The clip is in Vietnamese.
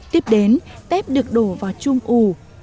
tiếp đến tép được đổ vào chung ủ